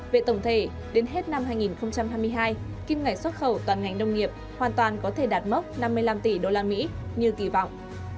về tổng thể đến hết năm hai nghìn hai mươi hai kim ngạch xuất khẩu toàn ngành nông nghiệp hoàn toàn có thể đạt mốc năm mươi năm tỷ usd như kỳ vọng